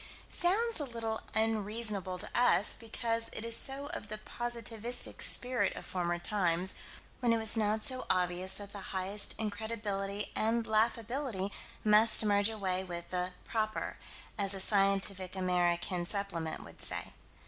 Sounds a little unreasonable to us, because it is so of the positivistic spirit of former times, when it was not so obvious that the highest incredibility and laughability must merge away with the "proper" as the Sci. Am. Sup. would say.